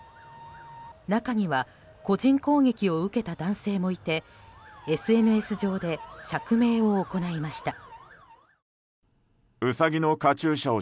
中には個人攻撃を受けた男性もいてＳＮＳ上で釈明を行いました。